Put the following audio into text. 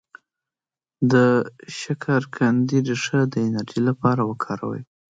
د شکرقندي ریښه د انرژی لپاره وکاروئ